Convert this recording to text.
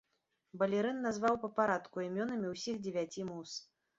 Балерын назваў па парадку імёнамі ўсіх дзевяці муз.